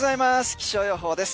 気象予報です。